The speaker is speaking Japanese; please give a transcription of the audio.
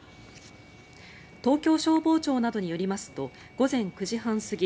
東京消防庁などによりますと午前９時半過ぎ